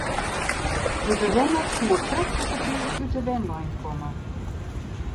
De bewenner koe krekt op 'e tiid út de wenwein komme.